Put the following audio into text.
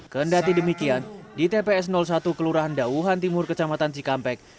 kendati demikian di tps satu kelurahan dauhan timur kecamatan cikampek